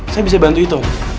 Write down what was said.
saya bisa bantu itu